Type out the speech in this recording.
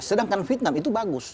sedangkan vietnam itu bagus